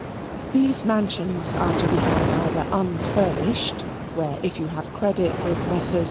These mansions are to be had either unfurnished, where, if you have credit with Messrs.